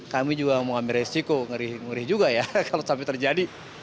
kami juga mau ambil resiko ngeri ngeri juga ya kalau sampai terjadi